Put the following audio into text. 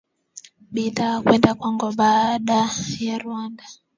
bidhaa kwenda Kongo baada ya Rwanda